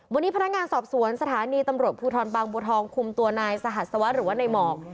วันนี้พนักงานสอบสวนสถานีตำรวจภูทรบางบัวทองคุมตัวนายสหัสสวัสดิ์หรือว่าในหมอก